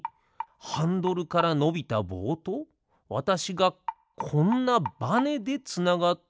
ハンドルからのびたぼうとわたしがこんなバネでつながっているだけ？